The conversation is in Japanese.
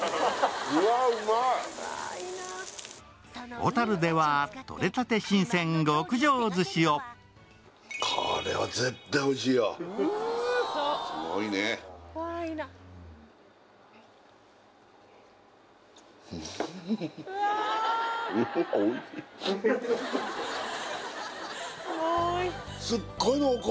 小樽では取れたて新鮮極上寿司をこれは絶対おいしいよすごいねすっごい濃厚！